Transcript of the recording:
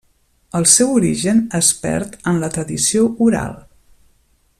El seu origen es perd en la tradició oral.